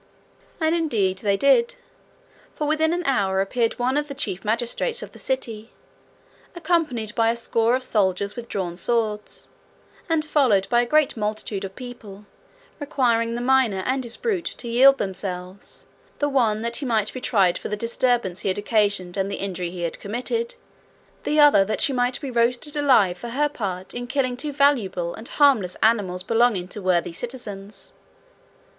And indeed they did. For within an hour appeared one of the chief magistrates of the city, accompanied by a score of soldiers with drawn swords, and followed by a great multitude of people, requiring the miner and his brute to yield themselves, the one that he might be tried for the disturbance he had occasioned and the injury he had committed, the other that she might be roasted alive for her part in killing two valuable and harmless animals belonging to worthy citizens.